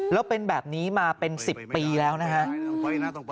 แล้วเป็นแบบนี้มาเป็น๑๐ปีแล้วนะครับ